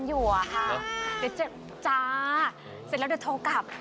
เสร็จแล้วเดี๋ยวโทรกลับ